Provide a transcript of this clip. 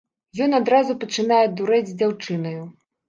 Ён адразу пачынае дурэць з дзяўчынаю.